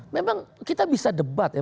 memang kita bisa debat ya